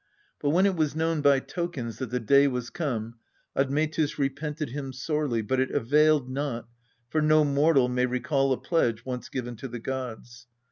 But when it was known by tokens that the day was come, Admetus repented him sorely, but it availed not, for no mortal may recall a pledge once given to the gods.